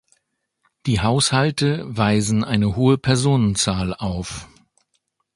Die Haushalte weisen eine hohe Personenzahl auf.